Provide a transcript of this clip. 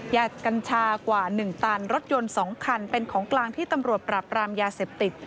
กัญชากว่า๑ตันรถยนต์๒คันเป็นของกลางที่ตำรวจปราบรามยาเสพติด